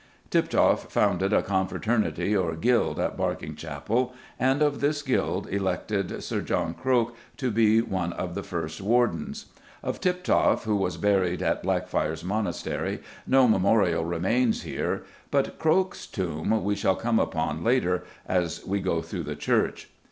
Tiptoft founded a confraternity or guild at Berkinge Chapel, and of this guild elected Sir John Croke to be one of the first Wardens. Of Tiptoft, who was buried at Blackfriars monastery, no memorial remains here, but Croke's tomb we shall come upon, later, as we go through the church.